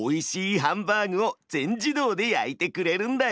ハンバーグを全自動で焼いてくれるんだよ。